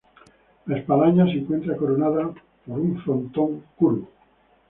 La espadaña se encuentra coronada por un frontón curvo.